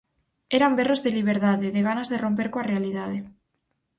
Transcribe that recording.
Eran berros de liberdade, de ganas de romper coa realidade.